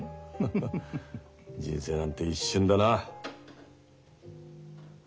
ハハッ人生なんて一瞬だな。